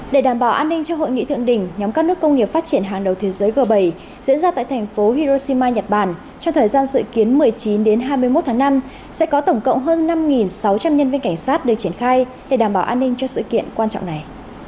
để đảm bảo an ninh cho hội nghị thượng đỉnh nhóm các nước công nghiệp phát triển hàng đầu thế giới g bảy diễn ra tại thành phố hiroshima nhật bản trong thời gian dự kiến một mươi chín đến hai mươi một tháng năm sẽ có tổng cộng hơn năm sáu trăm linh nhân viên cảnh sát được triển khai để đảm bảo an ninh cho sự kiện quan trọng này